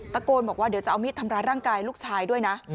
ตะโกนบอกว่าเดี๋ยวจะเอามีดทำร้ายร่างกายลูกชายด้วยนะ